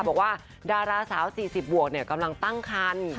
บอกว่าดาราสาว๔๐บวกกำลังตั้งคัน